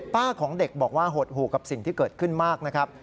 ของเด็กบอกว่าหดหู่กับสิ่งที่เกิดขึ้นมากนะครับ